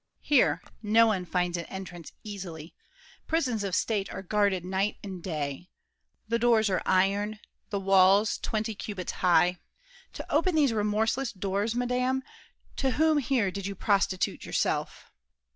Here, no one finds an entrance easily. Prisons of state are guarded night and day, The doors are iron, walls twenty cubits high; To open these remorseless doors, madame, To whom here did you prostitute yourself?